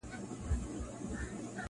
چي اوبه تر ورخ اوښتي نه ستنېږي-